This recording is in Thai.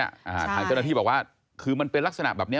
ทางเจ้าหน้าที่บอกว่าคือมันเป็นลักษณะแบบเนี้ย